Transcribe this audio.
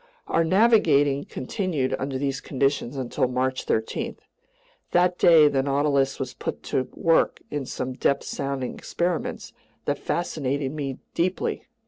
Our navigating continued under these conditions until March 13. That day the Nautilus was put to work in some depth sounding experiments that fascinated me deeply.